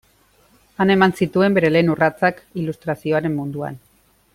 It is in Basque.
Han eman zituen bere lehen urratsak ilustrazioaren munduan.